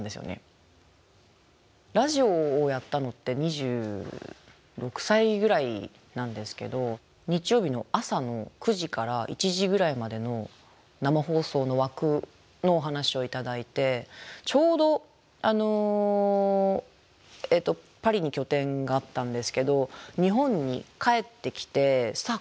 ラジオをやったのって２６歳ぐらいなんですけど日曜日の朝の９時から１時ぐらいまでの生放送の枠のお話を頂いてちょうどパリに拠点があったんですけど日本に帰ってきてさあ